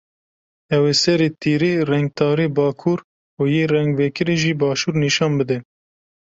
Ew ê serê tîrê rengtarî bakur û yê rengvekirî jî başûr nîşan bide.